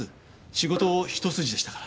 仕事一筋でしたから。